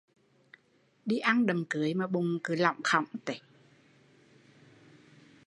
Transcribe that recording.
Đi ăn đám cưới mà bụng còn lỏng khỏng